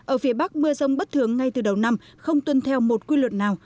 ở phía bắc mưa rông bất thường ngay từ đầu năm không tuân theo một quy luật nào